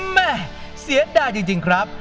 แม่เสียดายจริงครับ